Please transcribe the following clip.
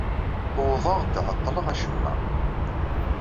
Wwḍeɣ-d ɛeṭṭleɣ acemma.